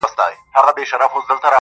ژوند در ډالۍ دى تاته,